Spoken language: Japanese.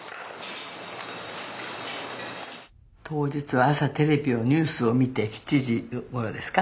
当日朝テレビをニュースを見て７時ごろですか。